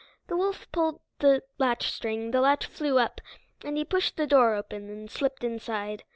The wolf pulled the latchstring, the latch flew up, and he pushed the door open, and slipped inside.